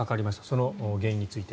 その原因について。